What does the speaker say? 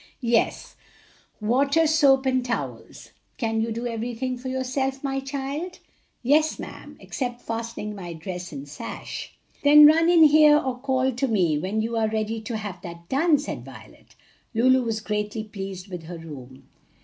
"Yes; water, soap and towels. Can you do everything for yourself, my child?" "Yes, ma'am, except fastening my dress and sash." "Then run in here or call to me when you are ready to have that done," said Violet. Lulu was greatly pleased with her room.